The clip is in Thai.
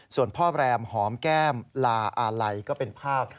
ส่วนพ่อแรมหอมแก้มลาอาลัยก็เป็นภาพ